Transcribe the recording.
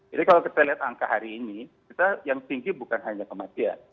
jadi kalau kita lihat angka hari ini kita yang tinggi bukan hanya kematian